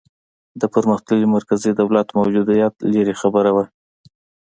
د پرمختللي مرکزي دولت موجودیت لرې خبره وه.